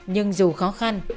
nhưng dù khó khăn